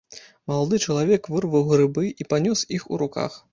Малады чалавек вырваў грыбы і панёс іх у руках.